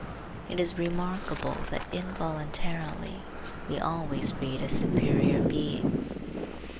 It is remarkable that involuntarily we always read as superior beings.